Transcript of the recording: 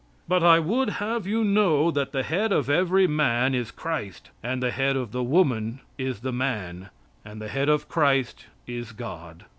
"But I would have you know that the head of every man is Christ, and the head of the woman is the man, and the head of Christ is God."